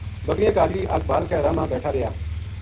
بکریاں کا اَجڑی اَگ بال کے راہ ما بیٹھا رہیا